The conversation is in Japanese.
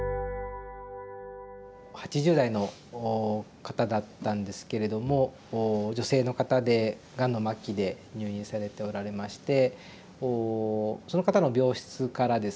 ８０代の方だったんですけれども女性の方でがんの末期で入院されておられましてこうその方の病室からですね